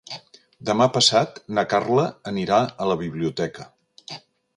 Demà passat na Carla anirà a la biblioteca.